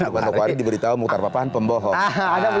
di manokwari diberitahu mukhtar papahan pembohong